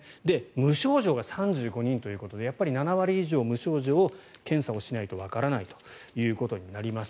無症状が３５人ということでやっぱり７割以上無症状検査をしないとわからないということになります。